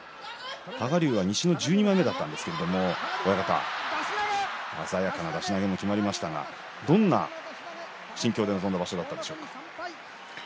多賀竜は西の１２枚目だったんですけれど鮮やかな出し投げもきまりましたがどんな心境で臨んだ場所だったんでしょうか。